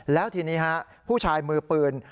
แล้วทีนี้ฮะผู้ชายมือปืน